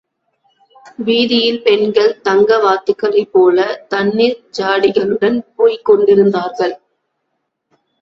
வீதியில் பெண்கள் தங்க வாத்துகளைப் போல, தண்ணிர் ஜாடிகளுடன் போய்க் கொண்டிருந்தார்கள்.